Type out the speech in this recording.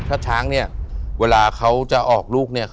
ถ้าช้างเนี่ยเวลาเขาจะออกลูกเนี่ย